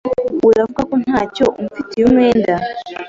Uravuga ko ntacyo umfitiye umwenda?